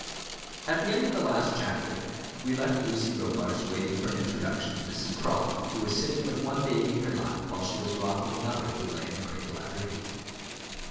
At the end of the last chapter, we left Lucy Robarts waiting for an introduction to Mrs. Crawley, who was sitting with one baby in her lap while she was rocking another who lay in a cradle at her feet.